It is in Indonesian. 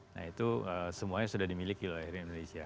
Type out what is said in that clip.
nah itu semuanya sudah dimiliki oleh indonesia